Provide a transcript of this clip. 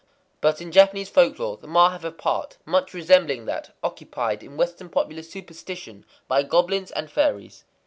But in Japanese folklore the Ma have a part much resembling that occupied in Western popular superstition by goblins and fairies.